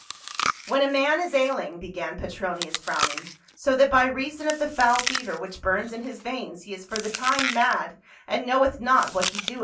"When a man is ailing," began Petronius frowning, " so that by reason of the foul fever which burns in his veins he is for the time mad and knoweth not what THE COLOSSUS OF SIDON.